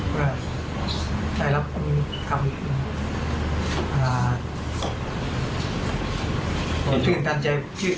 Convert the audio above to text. ก็ใช้รับคุณคำ